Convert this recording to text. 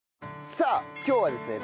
さあ今日はですね